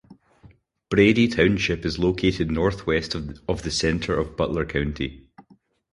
Brady Township is located northwest of the center of Butler County.